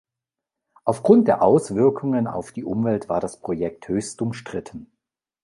Aufgrund der Auswirkungen auf die Umwelt war das Projekt höchst umstritten.